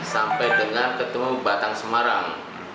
sampai dengan ketemu batang semarang